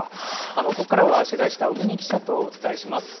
ここからは、取材した小國記者とお伝えします。